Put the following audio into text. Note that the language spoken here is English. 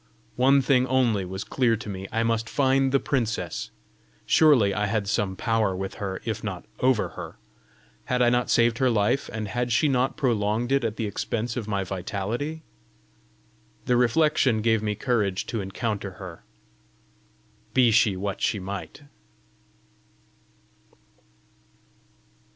One thing only was clear to me: I must find the princess! Surely I had some power with her, if not over her! Had I not saved her life, and had she not prolonged it at the expense of my vitality? The reflection gave me courage to encounter her, be she what she might.